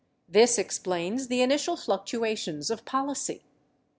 This explains the initial fluctuations of policy.